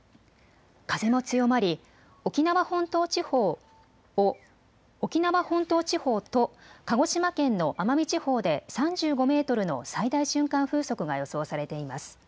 風も強まり沖縄本島地方と鹿児島県の奄美地方で３５メートルの最大瞬間風速が予想されています。